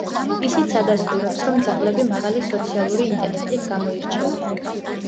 ისიც ადასტურებს, რომ ძაღლები მაღალი სოციალური ინტელექტით გამოირჩევიან.